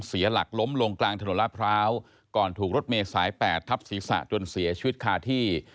เสียหลักล้มลงกลางถนนลาดพร้าวก่อนถูกรถเมย์สาย๘ทับศีรษะจนเสียชีวิตคาที่